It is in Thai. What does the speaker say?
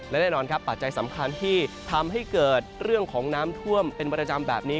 และแน่นอนครับปัจจัยสำคัญที่ทำให้เกิดเรื่องของน้ำท่วมเป็นประจำแบบนี้